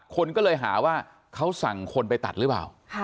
คนก็เลยหาว่าเขาสั่งคนไปตัดหรือเปล่า